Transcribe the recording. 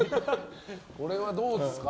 これはどうですか？